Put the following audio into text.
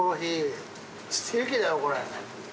ステーキだよこれ。